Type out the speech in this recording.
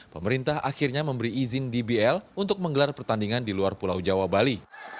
pemerintah akhirnya memberi izin dbl untuk menggelar pertandingan di luar pulau jawa bali